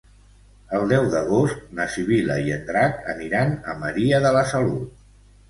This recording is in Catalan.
El deu d'agost na Sibil·la i en Drac aniran a Maria de la Salut.